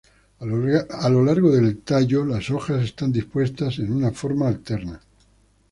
A lo largo del tallo las hojas están dispuestas en una forma alterna.